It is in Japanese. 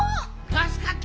たすかった！